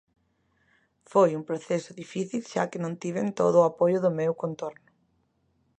Foi un proceso difícil xa que non tiven todo o apoio do meu contorno.